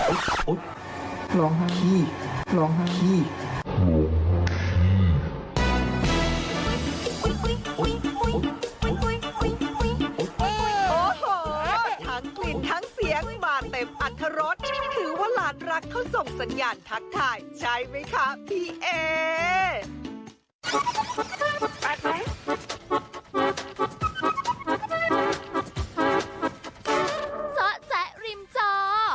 โอ้โหทั้งกลิ่นทั้งเสียงมาเต็มอัตรรสถือว่าหลานรักเขาส่งสัญญาณทักทายใช่ไหมคะพี่เอ๊ริมจอ